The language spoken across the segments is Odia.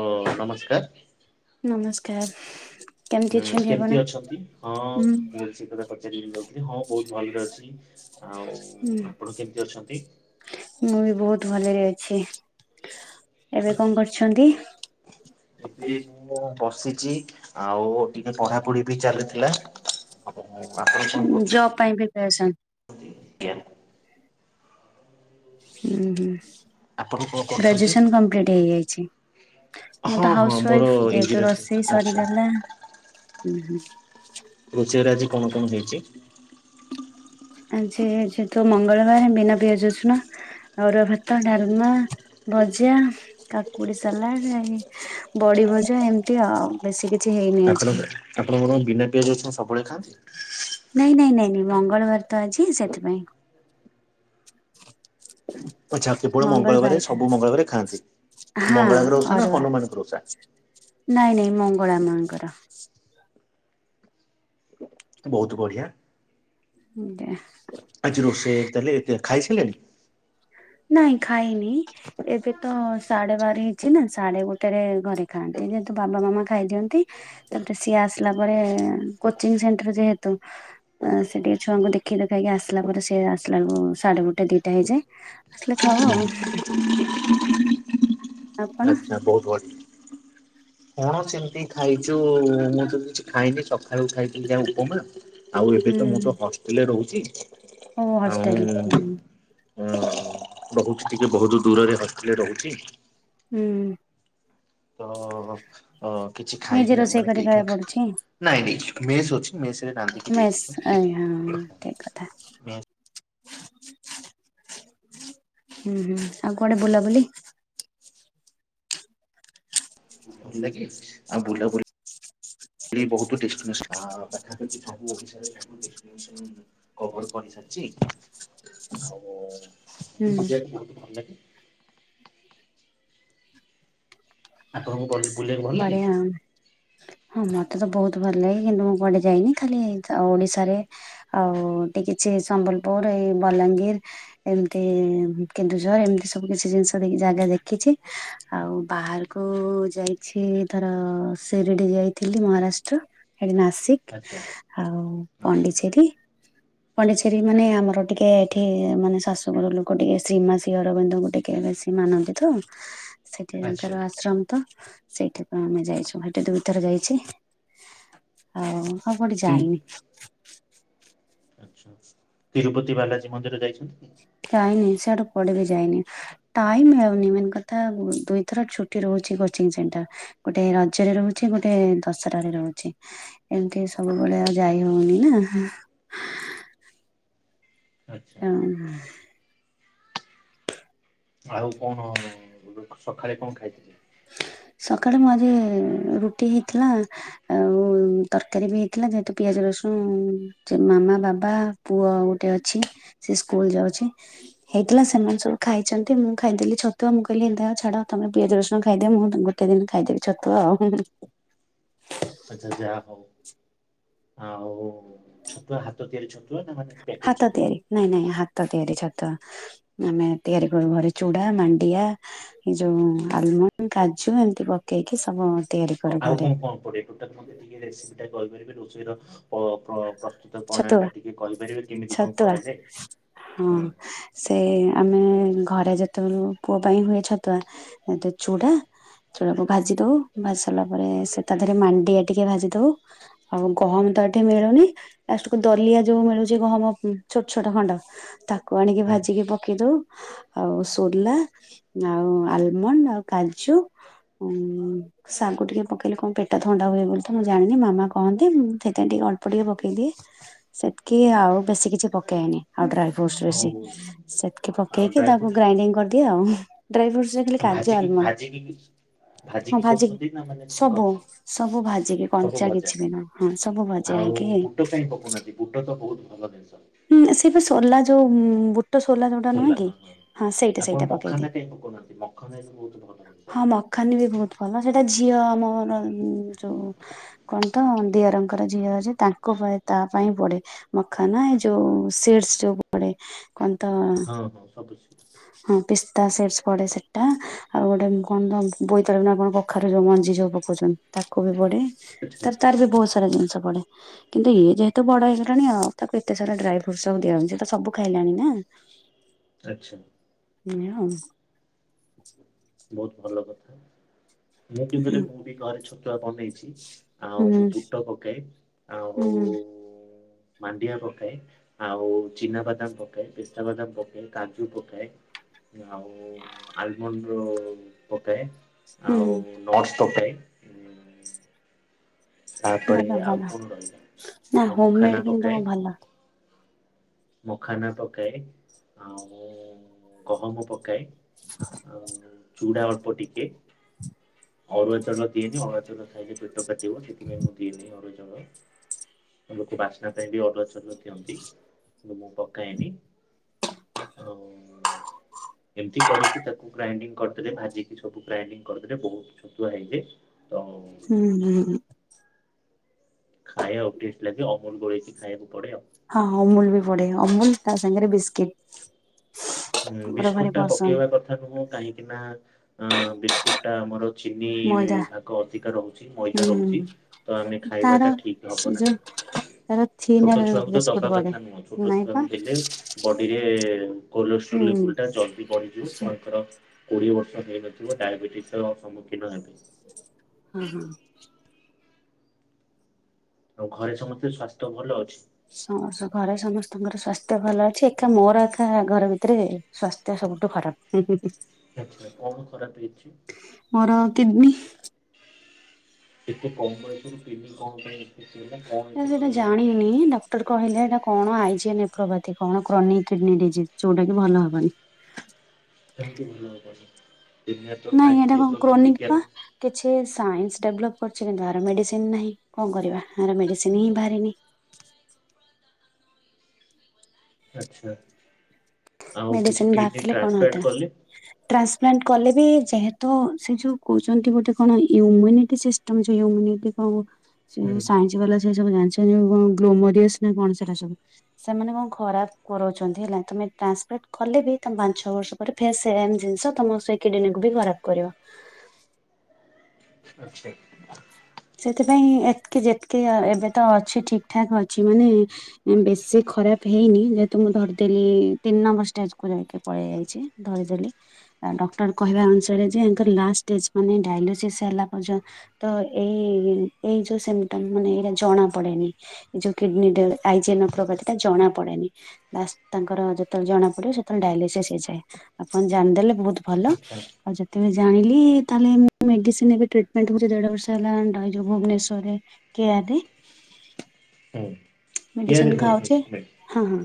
ତ ନମସ୍କାର। ନମସ୍କାର। କେମିତି ହଁ ଅଛନ୍ତି ଆପଣ? କେମିତି ଅଛନ୍ତି? ହଁ, ହୁଁ ମୁଁ ସେ କଥା ପଚାରି ଯାଉଥିଲି। ହଁ ବହୁତ ଭଲରେ ଅଛି। ଆଉ ହୁଁ ଆପଣ କେମିତି ଅଛନ୍ତି? ମୁଁ ବି ବହୁତ ଭଲରେ ଅଛି। ଏବେ କଣ କରୁଛନ୍ତି? [unintelligible] ଏବେ ମୁଁ ବସିଛି ଆଉ ଟିକେ ପଢାପଢି ବି ଚାଲିଥିଲା। ହୁଁ ଆପଣ କଣ କରୁଛନ୍ତି? ଜବ ପାଇଁ ବି ପ୍ରିପାରେସନ୍ ଆଜ୍ଞା। ହୁଁ ହୁଁ। ଆପଣ କଣ କରୁଛନ୍ତି? ଗ୍ରାଜୁଏସନ କମ୍ପ୍ଲିଟ ହେଇଯାଇଛି? ମୁଁ ହଁ ତ ହଁ ହାଉସ ମୋର ୱାଇଫ ଯେହେତୁ ଇଞ୍ଜିନିୟରିଂ ରୋଷେଇ ଆଚ୍ଛା। ସରିଗଲା ରୋଷେଇରେ ଆଜି କଣ କଣ ହେଇଛି? ଆଜି ଯେହେତୁ ମଙ୍ଗଳବାର ବିନା ପିଆଜ ରସୁଣ ଅରୁଆ ଭାତ, ଡାଲମା, ଭଜା କାକୁଡି ସାଲାଡ ଏ ବଡି ଭଜା ଏମିତି ଆଉ ବେଶୀ କିଛି ହେଇନି ଆପଣ ଆଜି। ଆପଣ କଣ ବିନା ପିଆଜ ଅଛନ୍ତି ସବୁବେଳେ ଖାଆନ୍ତି? ନାଇଁ ନାଇଁ ନାଇଁ ନାଇଁ ମଙ୍ଗଳବାର ତ ଆଜି ସେଥିପାଇଁ। ମୋ ଛାକି ପୋଡ଼ା ମଙ୍ଗଳବାର ମଙ୍ଗଳବାରେ ଖା ସବୁ ମଙ୍ଗଳବାରେ ଖାଆନ୍ତି। ହଁ ମଙ୍ଗଳାଙ୍କ ର ଓଷା ନା ଅରୁଆ ହନୁମାନଙ୍କ ର ଓଷା? ନାଇଁ ନାଇଁ ମଙ୍ଗଳା ମାଙ୍କର। ବହୁତ୍ ବଢିଆ‌। ଆଜ୍ଞା। ଆଜି ରୋଷେଇ ଏ ତାହାଲେ ଖାଇସାରିଲେଣି? ନାଇଁ ଖାଇନି ଏବେ ତ ସାଢେ଼ ବାର ହେଇଛି ନା ସାଢେ଼ ଗୋଟେରେ ଘରେ ଖାଆନ୍ତି ଯେହେତୁ ବାବା ମାମା ଖାଇଦିଅନ୍ତି ତାପରେ ସିଏ ଆସିଲା ପରେ କୋଚିଂ ସେଣ୍ଟର ଯେହେତୁ ଅ ସେ ଟିକେ ଛୁଆଙ୍କୁ ଦେଖେଇ ଦେଖାଇକି ଆସିଲା ପରେ ସେଏ ଆସିଲ ବେଳକୁ ସାଢେ ଗୋଟେ ଦିଟା ହେଇଯାଏ। ଆସିଲେ ଖାଉ ଆଉ। ଆପଣ ଆଚ୍ଛା ବହୁତ୍ ବଢିଆ କଣ ସେମିତି ଖାଇଛୁ ମୁଁ ତ କିଛି ଖାଇନି ସକାଳୁ ଖାଇଥିଲି ଯା ଉପମା ଆଉ ଏବେ ତ ମୁଁ ତ ହସ ଷ୍ଟେଲ୍ ରେ ରହୁଛି। ହଁ ଆଉ ହଷ୍ଟେଲ ହୁଁ। ରହୁଛି ଟିକେ ବହୁତ୍ ଦୂରରେ ହଷ୍ଟେଲ ରେ ରହୁଛି। ହୁଁ। ତ ଅ କିଛି ନିଜେ ଖାଇନି ରୋଷେଇ ମାନେ କରି କେ କେ ନା ଖାଇବାକୁ ପଡୁଛି ନାଇଁ ସେସ୍ ଅଛି। ସେସ୍ ରେ ରାନ୍ଧିକି ମେସ୍ ଦେଇଦଉଛନ୍ତି। ଆଜ୍ଞା ଠିକ କଥା ହୁଁ ହୁଁ ଆଉ କୁଆଡେ ବୁଲାବୁଲି? ଭଲ ଲାଗେ ଆଉ ବୁଲାବୁଲି ଏ ବହୁ [unintelligible] ପାଖାପାଖି ସବୁ ଓଡିଶା ରେ କଭର କରି ସାରିଛି ଆଉ ହୁଁ ମତେ ବୁଲି ବାକୁ ବହୁତ୍ ଭଲ ଲାଗେ। ଆପଣଙ୍କୁ ଭ ବଢିଆ। ହଁ ମତେ ତ ବହୁତ୍ ଭଲ ଲାଗେ କିନ୍ତୁ ମୁଁ କୁଆଡେ ଯାଇନି ଖାଲି ଓଡିଶାରେ ଆଉ ଏଠି କିଛି ସମ୍ବଲପୁର ଏଇ ବଲାଙ୍ଗୀର ଏମିତି କେନ୍ଦୁଝର ଏମିତି ସବୁ କିଛି ଜିନିଷ ଦେ ଜାଗା ଦେଖିଛି। ଆଉ ବାହାରକୁ ଯାଇ କିଛି ଥର ସିରିଡ଼ି ଯାଇଥିଲି ମହାରାଷ୍ଟ୍ର ସେଠି ନାସିକ୍ ଆଚ୍ଛା ଆଉ ଆଚ୍ଛା। ପଣ୍ଡିଚେରୀ ପଣ୍ଡିଚେରୀ ମାନେ ଆମର ଟିକେ ଏଠି ମାନେ ଶାଶୁ ଘର ଲୋକ ଟିକେ ଶ୍ରୀମାସ ଅରବିନ୍ଦଙ୍କୁ ଟିକେ ବେଶୀ ମାନନ୍ତି ତ ସେଠି ତାଙ୍କର ଆଚ୍ଛା ଆଶ୍ରମ ତ ସେଇଠାକୁ ଆମେ ଯାଇଛୁ ହେଠୁ ଦୁଇଥର ଯାଇଛି। ଆଉ ଆଉ କୋଉଠି କି ଯାଇନି। ଆ ତିରୁପତି ବାଲାଜୀ ମନ୍ଦିର ଯାଇଛନ୍ତି? ଯାଇନି ସେଆଡୁ କୁଆଡୁ ବି ଯାଇନି। ଟାଇମ୍ ହଉନି ମେନ୍ କଥା ଦୁଇଥର ଛୁଟି ରହୁଛି କୋଚିଂ ସେଣ୍ଟର। ଗୋଟେ ରଜରେ ରହୁଛି ଗୋଟେ ଦଶହରାରେ ରହୁଛି। ଏମିତି ସବୁବେଳେ ଆଉ ଯାଇ ହଉନି ନା। ଆଚ୍ଛା। ହଁ। ଆଉ କଣ ସକାଳେ କଣ ଖାଇଥିଲେ? ସକାଳେ ମୁଁ ଆଜି ରୁଟି ହେଇଥିଲା। ଆଉ ତରକାରୀ ବି ହେଇଥିଲା ଯେହେତୁ ପିଆଜ ରସୁଣ ସେ ମାମା ବାବା ପୁଅ ଗୋଟେ ଅଛି ସେ ସ୍କୁଲ ଯାଉଛି। ହେଇଥିଲା ସେମାନେ ସବୁ ଖାଇଛନ୍ତି ମୁଁ ଖାଇଦେଲି ଛତୁଆ ମୁଁ କହିଲି ଏନ୍ତା ହ ଛାଡ ତମେ ପିଆଜ ରସୁଣ ଖା ଖାଇଦେବେ ମୁଁ ଗୋଟେ ଦିନ ଖାଇଦେବି ଛତୁଆ ଆଉ। ଆଚ୍ଛା ଯାହା ହଉ ଆଉ ଛତୁଆ ହାତ ତିଆରି ଛତୁଆ ନା ମାନେ ପ୍ୟାକେଟ ହାତ ଛତୁଆ? ତିଆରି ନାଇଁ ନାଇଁ ହାତ ତିଆରି ଛତୁଆ। ଆମେ ତିଆରି କରୁ ଘରେ ଚୁଡା ମାଣ୍ଡିଆ। ଏଇ ଯୋଉ ଆଲମଣ୍ଡ କାଜୁ ଏମିତି ପକେଇକି ସବୁ ତିଆରି କରୁ ଆଉ ଘରେ କଣ କଣ ପଡିବ ଟୋଟାଲ ମତେ ଟିକେ ରେସିପି ଟା କହିପାରିବେ ରୋଷେଇ ର ପ୍ର ପ୍ର ପ୍ରସ ପ୍ରସ୍ତୁତ ପ୍ରଣାଳୀ ଛତୁଆ ଟା ଟିକେ କହିପାରିବେ କେମିତି କଣ ଛତୁଆ କରାଯାଏ ହଁ ହୁଁ। ସେ ଆମେ ଘରେ ଯେତେବେଳେ ପୁଅ ପାଇଁ ହୁଏ ତ ଛତୁଆ ଚୂଡା ଚୁଡ଼ା କୁ ଭାଜି ଦଉ ଭାଜି ସାରିଲା ପରେ ସେ ତା ଦେହରେ ମାଣ୍ଡିଆ ଟିକେ ଭାଜି ଦଉ। ଆଉ ଗହମ ତ ଏଠି ମିଳୁନି। ଲାଷ୍ଟ କୁ ଦଲିଆ ଯୋଉ ମିଳୁଛି ଗହମ ଛୋଟ ଛୋଟ ଖଣ୍ଡ। ତାକୁ ଆଣିକି ଭାଜିକି ପକେଇ ଦଉ। ଆଉ ସୋଲା ଆଉ ଆଲମଣ୍ଡ ଆଉ କାଜୁ ଶାଗୁ ଟିକେ ପକେଇଲେ କଣ ପେଟ ଥଣ୍ଡା ହୁଏ ବୋଲି ତ ମୁଁ ଜାଣିନି ମାମା କହନ୍ତି ମୁଁ ସେଥିପାଇଁ ଟିକେ ଅଳ୍ପ ଟିକେ ପକେଇଦିଏ। ସେତିକି ଆଉ ବେଶୀ କିଛି ପକାଏନି ଆଉ ଡ୍ରାଏ ଫ୍ରୁଟସ ଆଉ ବେଶୀ। ସେତ୍କି ଆଉ ପକେଇକି ଡ୍ରାଇ ତାକୁ ଗ୍ରାଇଣ୍ଡିଙ୍ଗ କରିଦିଏ ଆଉ ଡ୍ରାଇ ଫ୍ରୁଟସ ଆଉ ଭାଜି କି ଭାଜି କି କି ହଁ ଭାଜିିକି ଭାଜିକି କରୁଛନ୍ତି ନା ମାନେ ସେମତି ସବୁ ସବୁ ଭାଜିକି କରୁଛନ୍ତି ସବୁ କଞ୍ଚା ଭଜା। କିଛି ବି ନୁହଁ ହଁ ସବୁ ଭଜା ଆଉ ହେଇକି ବୁଟ କାଇଁ ପକଉ ନାହାନ୍ତି ବୁଟ ତ ବହୁତ ଭଲ ଜିନିଷ। ହୁଁ ସେ ତ ସଲା ଯୋଉ ବୋ ଟ ସୋଲା ଯଉଟା ନୁହେଁ କି ହଁ ସେଇଟା ଆପଣ ସେଇଟା ପକେଇ ମଖାନା ଦିଏ କାହିଁ ପକଉନାହାନ୍ତି ମଖାନା ବି ବହୁତ ଭଲ ଜିନିଷ। ହଁ ମଟ ଖାନି ବି ବହୁତ ଭଲ ସେଇଟା ଝିଅ ଆମର ଯୋଉ କଣ ତ ଦିଅରଙ୍କର ଝିଅ ଅଛି ତାଙ୍କ ପା ତା ପାଇଁ ପଡେ ମଖନା ଏ ଯୋଉ ସିଡ୍ସ୍‌ ଯୋଉ ପଡେ କଣ ତ୍ ହଁ ହଁ ସବୁ ହଁ ପିସ୍ତା ସିଡ୍ସ ପଡେ ସେଟା। ଆଉ ଗୋଟେ କଣ ତ ବୋଇତାଳୁ ନା କଣ କଖାରୁ ଯୋଉ ମଞ୍ଜି ଯୋଉ ପକଉଛନ୍ତି। ତାକୁ ବି ପଢେ ଆଚ୍ଛା ତାର ତାର ବି ବହୁତ ସାରା ଜିନିଷ ପଡେ। କିନ୍ତୁ ଇଏ ଯେହେତୁ ବଡ ହେଇଗଲାଣି ଆଉ ତାକୁ ଏତେ ସାରା ଡ୍ରାଇ ଫ୍ରୁଟସ ସବୁ ଦିଆ ହଉନି ସବୁ ଖାଇଲାଣି ନା। ଆଚ୍ଛା। ମୀ ଆଉ। ବହୁତ ଭଲ କଥା ମୁଁ କିନ୍ତୁ ଯେ ମୁଁ ବି ଘରେ ଛତୁଆ ବ ନେଇଛି ଆଉ ହୁଁ ବୁଟ ପକାଏ ଆଉ ହୁଁ ମାଣ୍ଡିଆ ପକାଏ ଆଉ ଚିନାବାଦାମ ପକାଏ ପେସ୍ତା ବାଦାମ ପକାଏ କାଜୁ ପକାଏ। ଆଉ ଆଲମଣ୍ଡ ର ପକାଏ ହୁଁ ଆଉ ନଟ୍ସ ପକାଏ। ହୁଁ। ତାପରେ ଭଲ ଆଉ ଭଲ କଣ ରହିଲା ନା ଆଉ ମଖାନା ହୋମମେଡ କିନ୍ତୁ ପକାଏ। ଭଲ। ମଖାନା ପକାଏ ଆଉ ଗହମ ପକାଏ। ଆଉ ଚୁଡା ଅଳ୍ପ ଟିକେ ଅରୁଆ ଚଉଳ ଦିଏନି ଅରୁଆ ଚଉଳ ଖାଇଲେ ପେଟ କାଟିବ। ସେଥିପାଇଁ ମୁଁ ଦିଏନି ଅରୁଆ ଚାଉଳ। ଲୋକ ବାସ୍ନା ପାଇଁ ବି ଅରୁଆ ଚାଉଳ ଦିଅନ୍ତି କି ମୁଁ ପକା ଏନି। ଆଉ ଏମିତି କରିକି ତାକୁ ଗ୍ରାଇଣ୍ଡିଙ୍ଗ କରିଦେଲେ ଭାଜିକି ସବୁ ଗ୍ରାଇଣ୍ଡିଙ୍ଗ କରିଦେଲେ ବହୁତ ଛତୁଆ ଖାଇଦିଏ ତ ହୁଁ ହୁଁଁ। ଖାଇବା ଟେଷ୍ଟ ଲାଗେ ଅମୁଲ ଗୋଳେଇକି ଖାଇବାକୁ ପଡେ ଆଉ। ହଁ ଅମୁଲ ବି ପଡେ ଅମୁଲ ତା ସାଙ୍ଗରେ ବିସ୍କିଟ। ହଁ ମୋର ଭାରି ବିସ୍କୁଟଟା ପସନ୍ଦ। ପକେଇବା କଥା ନୁହଁ କାହିଁକିନା ଅ ବିସ୍କୁଟଟା ଆମର ଚିନି ମଇଦା ଭାଗ ଅଧିକା ରହୁଛି ହୁଁ ମଇଦା ରହୁଛି ତ ଆମେ ତାର ଖାଇବାଟା ଠିକ୍ ସେ ହବ ଯୋଉ ନାହିଁ। ତାର ଛୋଟ ଥିନରେ ଛୁଆକୁ ତ ବିସ୍କୁଟ ଦବା ପଡେ କଥା ନୁହଁ ଛୋଟ ନାଇଁ ପା ଛୁଆକୁ ଦେଲେ ବଡିରେ ହୁଁ କୋଲେଷ୍ଟ୍ରୋଲ ଲେବୁଲଟା ଜଲଦି ବଢିଯିବ ଅଛି ଛୁଆଙ୍କର କୋଡ଼ିଏ ବର୍ଷ ହେଇନଥିବ ଡାଇବେଟିସର ସମ୍ମୁଖୀନ ହେବେ। ହୁଁ ହୁଁ। ଆଉ ଘରେ ସମସ୍ତେ ସ୍ଵାସ୍ଥ୍ୟ ଭଲ ଅଛି? ସମସ୍ତ ଘରେ ସମସ୍ତଙ୍କର ସ୍ଵାସ୍ଥ୍ୟ ଭଲ ଅଛି। ଏକା ମୋର ଏକା ଘର ଭିତରେ ସ୍ଵାସ୍ଥ୍ୟ ସବୁଠୁ ଖରାପ ହୁଁ ହୁଁ ହୁଁ। ଆଚ୍ଛା କଣ ଖରାପ ହେଇଛି? ମୋର କିଡନୀ ଏତେ କମ୍ ବୟସରୁ କିଡନୀ କଣ ପାଇଁ ଏମିତି ହେଲା କଣ ସେଇଟା [unintelligible] ଜାଣିନି ଡକ୍ଟର କହିଲେ ଏଇଟା କଣ ଆଇଜିମଏପ୍ରୋପାଥି କଣ କ୍ରନିକ କିଡନୀ ଡିଜିଜ୍ ଯୋଉଟା କି ଭଲ ହେବନି। କାହିକିଁ ଭଲ ହବନି? ଏବେ ତ ନାଇଁ ଏଇଟା ସାଇନ୍ସ କଣ ଡେଭଲପମେଣ୍ଟ କ୍ରୋନିକ ପା ବିଜ୍ଞାନ କିଛି ସାଇନ୍ସ ଡେଭଲପ୍ କରୁଛି କିନ୍ତୁ ଆର ମେଡିସିନ ନାହିଁ କଣ କରିବା ଆର ମେଡିସିନ ହିଁ ବାହାରିନି। ଆଚ୍ଛା, ଆଉ କିଛି ମେଡିସିନ କିଡନୀ ବାହାରିଥିଲେ କଣ ଟ୍ରାନ୍ସପ୍ଲାଣ୍ଟ ହେଇଥାନ୍ତା। କଲେ ଟ୍ରାନ୍ସପ୍ଲାଣ୍ଟ କଲେ ବି ଯେହେତୁ ସେ ଯୋଉ କହୁଛନ୍ତି ଗୋଟେ କଣ ଇମ୍ୟୁନିଟିସିଷ୍ଟ ତମେ ଯୋଉ ଇମ୍ୟୁନିଟି କଣ ସେ ହୁଁ ହୁଁ ସାଇନ୍ସ ବାଲା ସେ ସବୁ ଜାଣିଛନ୍ତି କଣ ଗ୍ଲୋମରିସ ନା କଣ ସେଟା ସବୁ? ସେମାନେ କଣ ଖରାପ କରଉଛନ୍ତି ହେଲା ତମେ ଟ୍ରାନ୍ସଫର କଲେ ବି ତମ ପାଞ୍ଚ ଛଅ ବର୍ଷ ପରେ ଫେର୍ ସେମ୍ ଜିନିଷ ତମ ସେ କିଡନୀକୁ ବି ଖରାପ କରିବ। [unintelligible] ସେଇଥିପାଇଁ ଏତିକି ଯେତିକି ଏବେ ତ ଅଛି ଠିକ ଠାକ୍ ଅଛି ମାନେ ବେଶୀ ଖରାପ ହେଇନି ଯେହେତୁ ମୁଁ ଧରିଦେଲି ତିନି ନମ୍ବର ଷ୍ଟେଜକୁ ଯାଇକି ପଳେଇ ଆଇଛି। ଧରିଦେଲି। ଆ ଡକ୍ଟର କହିବା ଅନୁସାରେ ଯେ ୟାଙ୍କର ଲାଷ୍ଟ ଷ୍ଟେଜ୍ ମାନେ ଡାଇଲୋସିସ୍ ହେଲା ପର୍ଯ୍ୟନ୍ତ ଏଇ ଏଇ ଯୋଉ ସିମଟମ୍ ମାନେ ଏଇଟା ଜଣା ପଡେନି। ଏଇ ଯୋଉ କିଡନୀଟା ଆଇଜେନ ପ୍ରଭାତିଟା ଜଣା ପଡେନି। ତାଙ୍କର ଯେତେବେଳେ ଜଣା ପଡିବ ସେତେବେଳେ ଡାଇଲୋସିସ୍ ହେଇଯାଏ। ଆପଣ ଜାଣିଦେଲେ ବହୁତ ଭଲ। ଆଚ୍ଛା ଆଉ ଯେତେବେଳେ ଜାଣିଲି ତାହେଲେ ମୁଁ ମେଡିସିନ ଏବେ ଟ୍ରିଟମେଣ୍ଟ ହଉଛି ଦେଢବର୍ଷ। ବର୍ଷେ ହେଲାଣି ରହିଛି ଭୁବନେଶ୍ଵରରେ କେୟାରରେ। ହଉ। ମେଡିସିନ ଖାଉଛି, ହଁ ହଁ।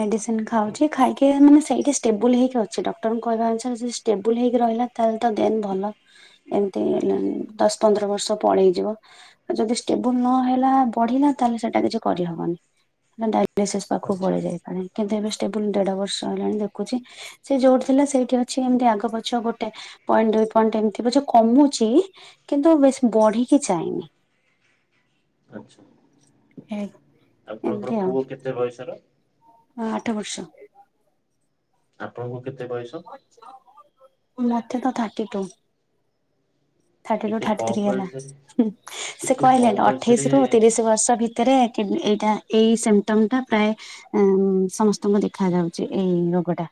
ମେଡିସିନ ଖାଉଛି ଖାଇକି ମାନେ ସେଇଠି ଷ୍ଟେବଲ ହେଇକି ଅଛି। ଡକ୍ଟରଙ୍କ କହିବା ଅନୁସାରେ ସିଏ ଷ୍ଟେବଲ ହେଇକି ରହିଲା ତାହେଲେ ତ ଦେନ୍ ଭଲ। ଏମିତି ଦଶ ପନ୍ଦର ବର୍ଷ ପଳେଇଯିବ। ଯଦି ଷ୍ଟେବୁଲ ନହେଲା ବଢିଲା ତାହେଲେ ସେଇଟା କିଛି କରିହବନି। ଡାଇବେସିସ୍ ପାଖକୁ ଆଚ୍ଛା ପଳେଇ ଯାଇପାରେ। କିନ୍ତୁ ଏବେ ଷ୍ଟେବୁଲ ଦେଢ ବର୍ଷ ହେଲାଣି ଦେଖୁଛି ସେ ଯୋଉଠି ଥିଲା ସେଇଠି ଅଛି। ଏମିତି ଆଗ ପଛ ଗୋଟେ ପଏଣ୍ଟ ଦୁଇ ପଏଣ୍ଟ ଏମିତି ପଛେ କମୁଛି କିନ୍ତୁ ବେଶି ବଢିକି ଯାଇନି। ଆଚ୍ଛା। ହୁଁ ଆପଣଙ୍କର ପୁଅ କେତେ ବୟସର? ହଁ ଆଠ ବର୍ଷ। ଆପଣଙ୍କୁ କେତେ ବୟସ? ମତେ ତ ଥାର୍ଟି ଟୁ। ଥାର୍ଟି ଟୁ ଏତେ ଥାର୍ଟି କମ ଥ୍ରୀ ହେଲା। ବୟସରେ ସେ ଏତେ କମ କହିଲେନା ବୟସରେ ଅଠେଇଶି ରୁ ତିରିଶ ବର୍ଷ ଭି ଭିତରେ କି ଏଇଟା ଏଇ ସିମ୍ଟମ୍ ପ୍ରାୟ ଉଁ ସମସ୍ତଙ୍କୁ ଦେଖା ଯାଉଛି ଏଇ ରୋଗ ଟା।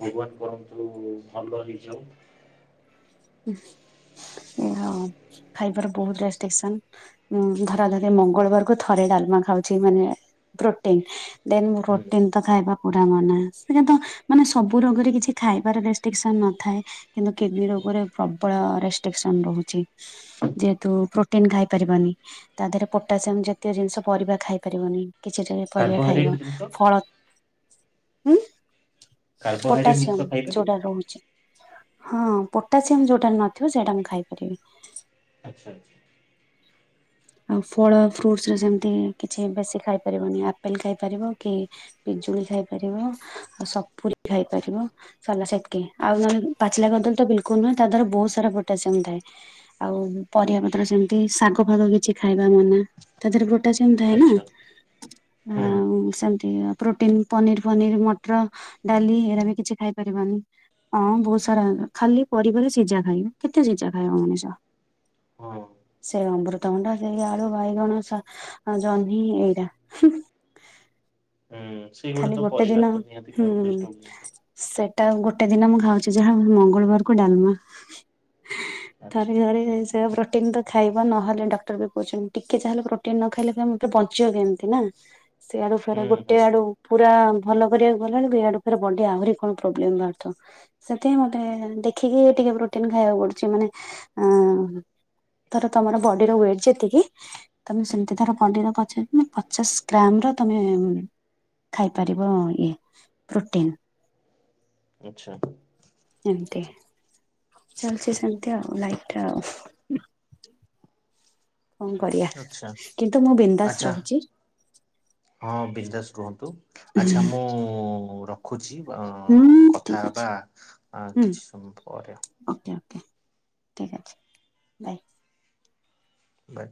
ଭଗବାନ କରନ୍ତୁ ଭଲ ହେଇଯାଉ। ହଁ ଖାଇବାର ବହୁତ ରେଷ୍ଟ୍ରିକସନ। ଉଁ ଧରା ଧରି ମଙ୍ଗଳବାର କୁ ଥରେ ଡାଲମା ଖାଉଛି ମାନେ ପ୍ରୋଟିନ୍। ଦେନ୍ ହୁଁ ରୋଟିନ୍। ଭାତ ଖାଇବା ପୁରା ମନା ସେ କିନ୍ତୁ ମାନେ ସବୁ ରୋଗରେ କିଛି ଖାଇବାର ରେଷ୍ଟ୍ରିକସନ ନ ଥାଏ। କିନ୍ତୁ କିଡନୀ ରୋଗରେ ପ୍ରବଳ ରେଷ୍ଟ୍ରିକସନ ରହୁଛି। ଯେହେତୁ ପ୍ରୋଟିନ ଖାଇ ପାରିବନି। ତା ଦେହରେ ପୋଟାସିୟମ ଜାତୀୟ ଜିନିଷ ପରିବା ଖାଇ ପାରିବନି। କିଛି ଦିନି ପରିବା ଖାଇବ କାର୍ବୋହାଇଡ୍ରେଟ ଜିନିଷ ଫଳ ଉଁ କାର୍ବୋହାଇଡ୍ରେଟ ପୋଟାସିୟମ ଜିନିଷ ଖାଇପାରିବ ଯଉଟାରେ ରହୁଛି। ହଁ ପୋଟାସିୟମ ଯୋଉଟାରେ ନଥିବ, ସେଇଟା ମୁଁ ଖାଇପାରିବି। ଆଚ୍ଛା ଆଚ୍ଛା। ଆଉ ଫଳ ଫ୍ରୁଟସରେ ସେମିତି କିଛି ବେଶୀ ଖାଇପାରିବନି। ଆପେଲ ଖାଇପାରିବ କି ପିଜୁଳି ଖାଇପାରିବ, ଆଉ ସପୁରୀ ଖାଇପାରିବ। [unintelligible] ଆଉ ନହେଲେ ପାଚିଲା କଦଳୀତ ବିଲକୁଲ ନୁହେଁ। ତାଦେହରେ ବହୁତ ସାରା ପୋଟାସିୟମ୍ ଥାଏ। ଆଉ ପରିବା ପତ୍ର ସେମିତି ଶାଗ ଫାଗ କିଛି ଖାଇବା ମନା ତା ଦେହରେ ପ୍ରୋଟାସିୟମ ଥାଏ ଆଚ୍ଛା ନା। ହୁଁ ଆଉ ସେମତି ପ୍ରୋଟିନ ପନିର ଫନିର, ମଟର ଡାଲି ଏରା ବି କିଛି ଖାଇ ପାରିବାନି। ହଁ ବହୁତ ସାରା ଖାଲି ପରିବାର ସିଜା ଖାଇବି। କେତେ ସିଜା ଖାଇବ ମଣିଷ? ହଁ ସେ ଅମୃତଭଣ୍ଡା ସେଇ ଆଳୁ ବାଇଗଣ ସା ଜହ୍ନି ଏଇଗୁଡ଼ା। ହୁଁ ସେଇଗୁଡା ତ ଗୋଟେ ଦିନ ପରିବାର ତ ନିହାତି ହୁଁ ଖାଇବ ବେଷ୍ଟ୍ ଜିନିଷ। ସେଟା ଗୋଟେ ଦିନ ମୁଁ ଖାଉଛି ଯାହା ମଙ୍ଗଳବାରକୁ ଡାଲମା। ଆଚ୍ଛା ଥରେ ଥରେ ସେୟାବ ରଖ। ପ୍ରୋଟିନ ତ ଖାଇବ ନହେଲେ ଡକ୍ଟର ବି କହୁଛନ୍ତି ଟିକେ ଯାହାହେଲେ ପ୍ରୋଟିନ ନ ଖାଇଲେ ତମେ ବଞ୍ଚିବ ଏମିତି। ସିଆଡୁ ଫିଆଡୁ ହୁଁ ଗୋଟେ ହୁଁ ଆଡୁ। ହୁଁ ପୁରା ଭଲ କରିବାକୁ ଗଲା ବେଳକୁ ଏଆଡୁ ବଡି ଆହୁରି କଣ ପ୍ରୋବ୍ଲେମ ବାହାରୁଥାଉ। ସେଥିପାଇଁ ମତେ ଦେଖିକି ଟିକେ ପ୍ରୋଟିନ୍ ଖାଇବାକୁ ପଡୁଛି ମାନେ ଆଁ। ଧର ତମର ବଡିର ୱେଟ୍ ଯେତିକି। ତମେ ସେମିତି ହୁଁ ଧର ପଡିର ପଚ ପଚାଶ ଗ୍ରାମ ର ତମେ। ଖାଇପାରିବ ଇଏ ପ୍ରୋଟିନ୍। ଆଚ୍ଛା। ଏମିତି ଚାଲିଛି ସେମିତି ଆଉ ଲାଇଫ୍ ଟା ଆଉ। କଣ କରିବା ଆଚ୍ଛା କିନ୍ତୁ ମୁଁ ବିନ୍ଦାସ ଆଚ୍ଛା ରହୁଛି। ହଁ ବିଜନେସ୍ ରୁହନ୍ତୁ ଆଚ୍ଛା ମୁଁ ରଖୁଛି। ହୁଁ କଥା ଠିକ ଅଛି ହବା ହୁଁ କିଛି ସମୟ ପରେ ହ ଓକେ ଓକେ ଠିକ୍ ଅଛି ବାଇ। ବାଏ।